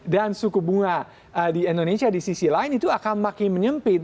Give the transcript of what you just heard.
dan suku bunga di indonesia di sisi lain itu akan makin menyempit